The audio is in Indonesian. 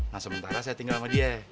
nah sementara saya tinggal sama dia